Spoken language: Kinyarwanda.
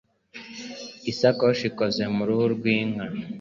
Isakoshi ikoze mu ruhu rw'inka